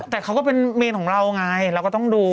แต่เขาก็เป็นเมนของเราไงเราก็ต้องดู